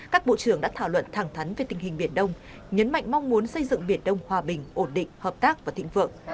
các bộ trưởng đã thảo luận thẳng thắn về tình hình biển đông nhấn mạnh mong muốn xây dựng biển đông hòa bình ổn định hợp tác và thịnh vượng